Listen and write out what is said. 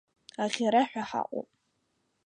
Аӷьараҳәа ҳаҟоуп.